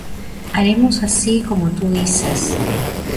haremos así como tú dices.